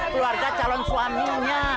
keluarga calon suaminya